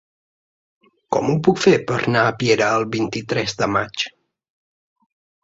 Com ho puc fer per anar a Piera el vint-i-tres de maig?